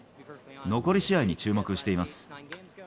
残り試合に注目しています。